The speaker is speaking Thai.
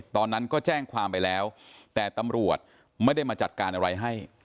ตอนนั้นก็แจ้งความไปแล้วแต่ตำรวจไม่ได้มาจัดการอะไรให้